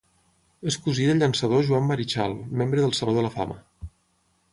És cosí del llançador Juan Marichal, membre del Saló de la Fama.